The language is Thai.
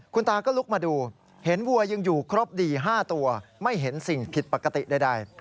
คุณตาก็ลุกมาดูเห็นวัวยังอยู่ครบดี๕ตัวไม่เห็นสิ่งผิดปกติใด